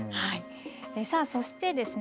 さあそしてですね